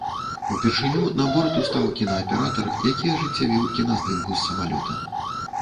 Упершыню на борт устаў кінааператар, які ажыццявіў кіназдымку з самалёта.